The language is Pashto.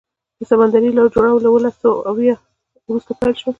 د سمندري لارو جوړول له اوولس سوه اویا وروسته پیل شو.